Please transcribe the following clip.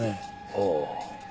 ああ。